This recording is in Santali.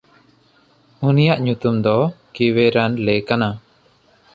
ᱩᱱᱤᱭᱟᱜ ᱧᱩᱛᱩᱢ ᱫᱚ ᱠᱤᱣᱮᱨᱟᱱᱼᱞᱮ ᱠᱟᱱᱟ᱾